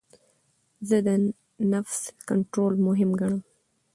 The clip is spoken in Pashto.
زه د نفس کنټرول مهم ګڼم.